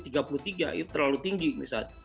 itu terlalu tinggi misalnya